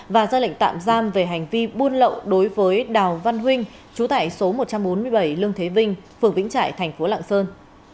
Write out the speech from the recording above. và ra lệnh tạm giam về hành vi buôn lậu đối với đào văn huynh chú tại số một trăm bốn mươi bảy lương thế vinh phường vĩnh trại thành phố lạng sơn